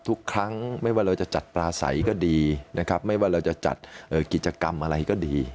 ทุกครั้งไม่ว่าเราจะจัดปลาใสก็ดีนะครับไม่ว่าเราจะจัดกิจกรรมอะไรก็ดี